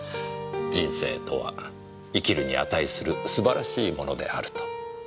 人生とは生きるに値する素晴らしいものであると。